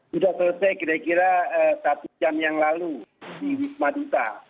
sudah selesai kira kira satu jam yang lalu di wisma duta